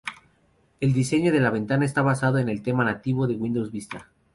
El diseño de la ventana está basado en el tema nativo de Windows Vista.